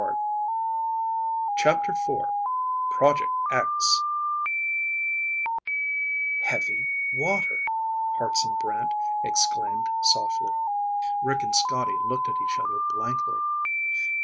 _" CHAPTER IV Project X "Heavy water!" Hartson Brant exclaimed softly. Rick and Scotty looked at each other blankly.